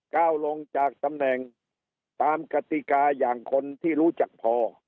ก้าวลงจากตำแหน่งตามกติกาอย่างคนที่รู้จักพอ